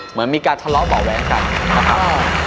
เหมือนมีการทะเลาะเบาะแว้งกันนะครับ